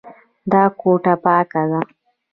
دا کوټه پاکه ده.